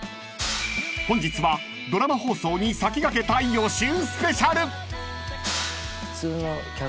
［本日はドラマ放送に先駆けた予習ＳＰ！］